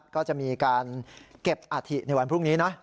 ก็จะมีการเก็บอาถิในวันพรุ่งนี้นะ